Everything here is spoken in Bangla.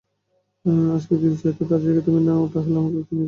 অ্যাজাক যদি চাইতো তার জায়গা তুমি নাও, তাহলে আমাকে বেছে নিয়েছে কেন?